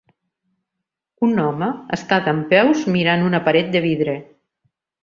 Un home està dempeus mirant una paret de vidre.